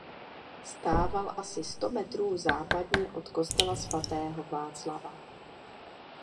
Stával asi sto metrů západně od kostela svatého Václava.